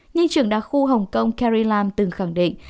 nhân trưởng đặc khu hồng kông carrie lam từng khẳng định